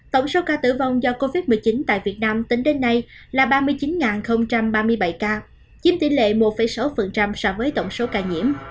tổng số ca tử vong do covid một mươi chín tại việt nam tính đến nay là ba mươi chín ba mươi bảy ca chiếm tỷ lệ một sáu so với tổng số ca nhiễm